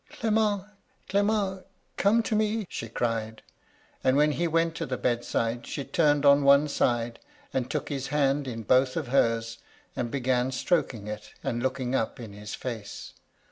"' Clement ! Clement ! come to me !' she cried ; and when he went to the bedside she turned on one side, and took his hand in both of hers, and began stroking it, and looking up in his face.